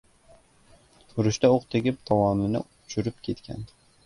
Urushda o‘q tegib tovonini uchirib ketgan.